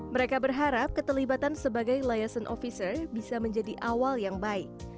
mereka berharap keterlibatan sebagai liaison officer bisa menjadi awal yang baik